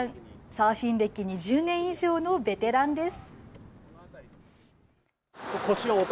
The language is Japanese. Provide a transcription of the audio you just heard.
サーフィン歴２０年以上のベテランです。